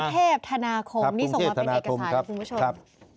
เทพธนาคมนี่ส่งมาเป็นเอกสารนะคุณผู้ชม